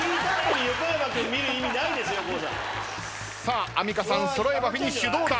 さあアンミカさん揃えばフィニッシュどうだ？